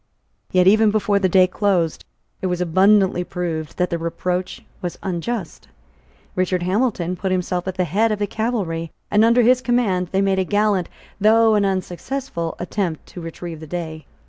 Yet, even before the day closed, it was abundantly proved that the reproach was unjust. Richard Hamilton put himself at the head of the cavalry, and, under his command, they made a gallant, though an unsuccessful attempt to retrieve the day.